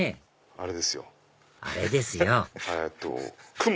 あれですよ！